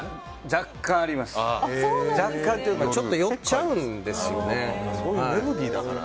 若干というかちょっと寄っちゃうんですよね。